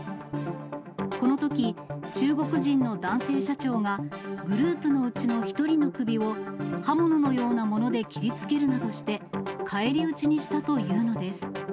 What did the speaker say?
このとき、中国人の男性社長がグループのうちの一人の首を刃物のようなもので切りつけるなどして、返り討ちにしたというのです。